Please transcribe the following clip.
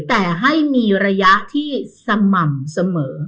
แต่ให้มีระยะที่สม่ำเสมอ